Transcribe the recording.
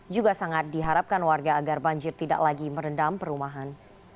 juga sangat diharapkan warga agar banjir tidak lagi merendam perumahan